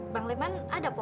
bang leman ada po